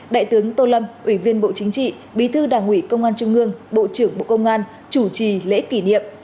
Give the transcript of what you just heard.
đại tướng tô lâm ủy viên bộ chính trị bí thư đảng ủy công an trung ương bộ trưởng bộ công an chủ trì lễ kỷ niệm